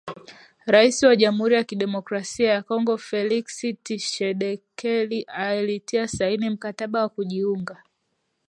Rais wa Jamhuri ya Kidemokrasia ya Kongo Felix Tshisekedi alitia saini mkataba wa kujiunga.